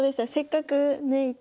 せっかくね